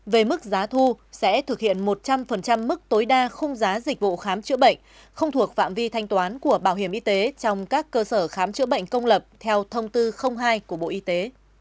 về mức giá thu sẽ thực hiện một trăm linh mức tối đa khung giá dịch vụ khám chữa bệnh không thuộc phạm vi thanh toán của bảo hiểm y tế trong các cơ sở khám chữa bệnh công lập theo thông tư hai của bộ y tế